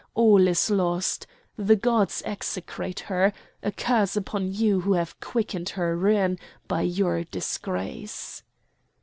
all is lost! The gods execrate her! A curse upon you who have quickened her ruin by your disgrace!"